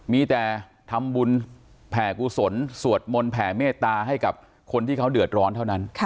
มีแต่ทำบุญแผ่กุศลสวดมนต์แผ่เมตตาให้กับคนที่เขาเดือดร้อนเท่านั้น